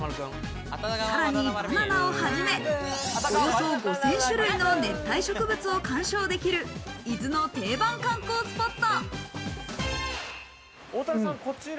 さらにバナナをはじめ、およそ５０００種類の熱帯植物を鑑賞できる伊豆の定番観光スポット。